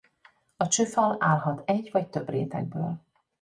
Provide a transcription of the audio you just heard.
A csőfal állhat egy vagy több rétegből.